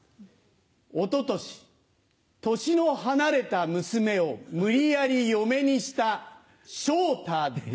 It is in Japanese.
一昨年年の離れた娘を無理やり嫁にした昇太代官。